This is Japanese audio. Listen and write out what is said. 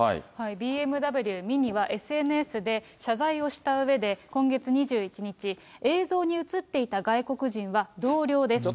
ＢＭＷ・ＭＩＮＩはＳＮＳで謝罪をしたうえで、今月２１日、映像に写っていた外国人は同僚です。